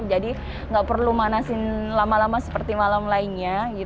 jadi nggak perlu manasin lama lama seperti malam lainnya